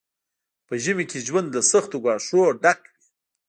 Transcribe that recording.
خو په ژمي کې ژوند له سختو ګواښونو ډک وي